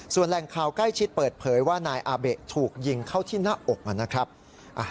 ส่วนแหล่งข่าวใกล้ชิดเปิดเผยว่านายอาเบะถูกยิงเข้าที่หน้าอกนะครับ